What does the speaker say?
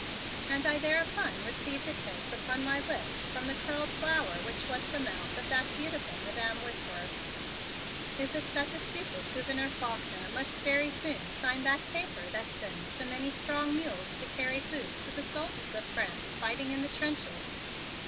And I thereupon received a kiss upon my lips from the curled flower which was the mouth of that beautiful Madam Whitworth. "Is it that the stupid Gouverneur Faulkner must very soon sign that paper that sends the many strong mules to carry food to the soldiers of France fighting in the trenches?"